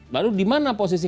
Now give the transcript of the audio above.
lalu di mana posisi